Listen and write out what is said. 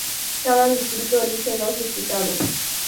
Cada distrito elige dos diputados.